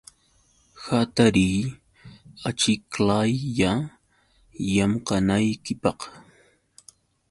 Hatariy achiklaylla llamkanaykipaq.